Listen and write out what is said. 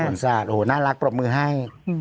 คุณสาดโอ้โหน่ารักปรบมือให้